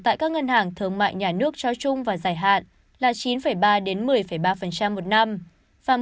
tại các ngân hàng thương mại nhà nước cho chung và dài hạn là chín ba một mươi ba một năm phạm